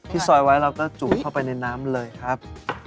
ซอยไว้เราก็จูบเข้าไปในน้ำเลยครับ